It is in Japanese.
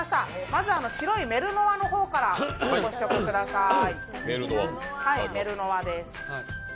まずは白いメルノワの方からご試食ください。